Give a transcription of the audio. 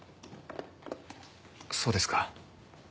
そうですか。